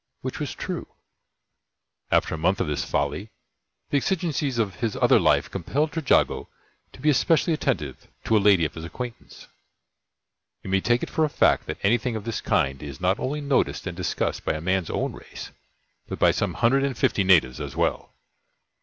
Which was true. After a month of this folly, the exigencies of his other life compelled Trejago to be especially attentive to a lady of his acquaintance. You may take it for a fact that anything of this kind is not only noticed and discussed by a man's own race, but by some hundred and fifty natives as well.